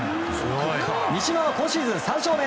三嶋は今シーズン３勝目。